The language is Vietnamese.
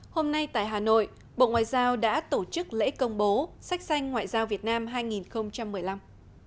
hôm nay tại hà nội bộ ngoại giao đã tổ chức lễ công bố sách xanh ngoại giao việt nam hai nghìn một mươi năm